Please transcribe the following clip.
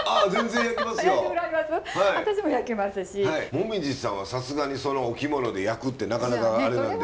紅葉さんはさすがにお着物で焼くってなかなかあれなんで。